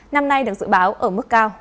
năm nay được dự báo ở mức cao